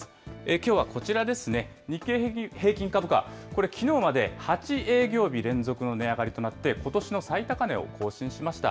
きょうはこちらですね、日経平均株価、これ、きのうまで８営業日連続の値上がりとなって、ことしの最高値を更新しました。